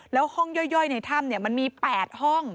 แล้วห้องย่อยในถ้ำมันมี๘ห้อง